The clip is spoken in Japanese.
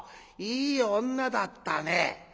いい女だったね。